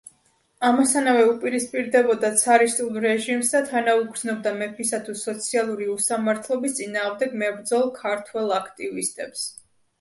ამასთანავე, უპირისპირდებოდა ცარისტულ რეჟიმს და თანაუგრძნობდა მეფისა თუ სოციალური უსამართლობის წინააღმდეგ მებრძოლ ქართველ აქტივისტებს.